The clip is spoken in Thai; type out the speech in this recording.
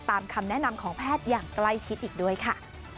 คำแนะนำของแพทย์อย่างใกล้ชิดอีกด้วยค่ะ